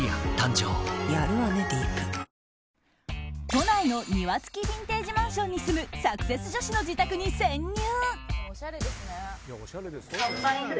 都内の庭付きビンテージマンションに住むサクセス女子の自宅に潜入。